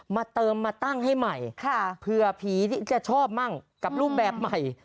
มาเติมมาตั้งให้ใหม่เผื่อผีจะชอบมั่งกับรูปแบบใหม่